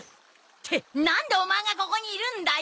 ってなんでオマエがここにいるんだよ！